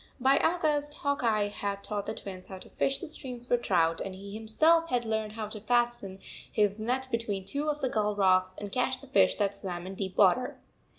By August, Hawk Eye had taught the Twins how to fish the streams for trout, and he himself had learned how to fasten his net between two of the gull rocks and catch the fish that swam in deep water.